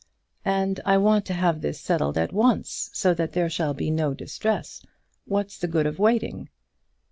"And I want to have this settled at once, so that there shall be no distress. What's the good of waiting?"